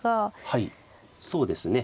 はいそうですね。